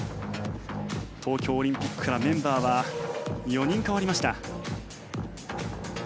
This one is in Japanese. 東京オリンピックからメンバーは４人代わりました。